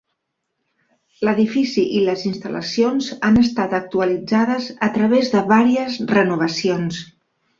L'edifici i les instal·lacions han estat actualitzades a través de vàries renovacions.